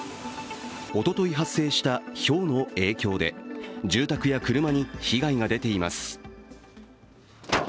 おととい発生したひょうの影響で住宅や車に被害が出ています。